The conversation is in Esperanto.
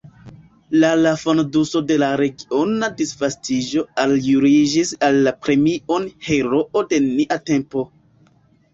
La la Fonduso de Regiona Disvolviĝo aljuĝis al li premion «Heroo de nia tempo».